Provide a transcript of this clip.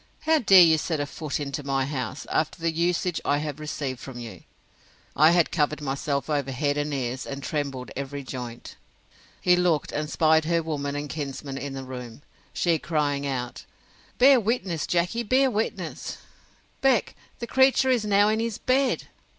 How dare you set a foot into my house, after the usage I have received from you?—I had covered myself over head and ears, and trembled every joint. He looked, and 'spied her woman and kinsman in the room, she crying out, Bear witness, Jackey; bear witness, Beck; the creature is now in his bed!